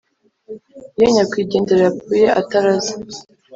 iyo nyakwigendera yapfuye ataraze,